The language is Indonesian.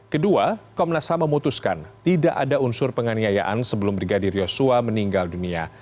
kedua komnas ham memutuskan tidak ada unsur penganiayaan sebelum brigadir yosua meninggal dunia